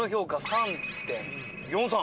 ３．４３。